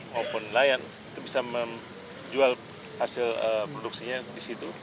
maupun nelayan itu bisa menjual hasil produksinya di situ